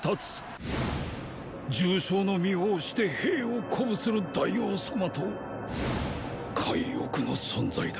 重傷の身をおして兵を鼓舞する大王様と介億の存在だ。